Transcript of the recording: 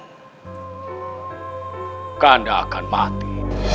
kakanda akan mati